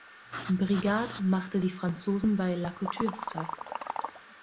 Brigade machte die Franzosen bei La Couture frei.